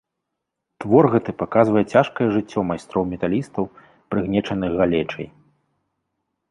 Твор гэты паказвае цяжкае жыццё майстроў-металістаў, прыгнечаных галечай.